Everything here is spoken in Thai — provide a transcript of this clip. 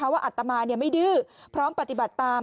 อัตมาไม่ดื้อพร้อมปฏิบัติตาม